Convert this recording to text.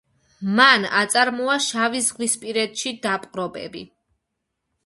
მან აწარმოა შავიზღვისპირეთში დაპყრობები.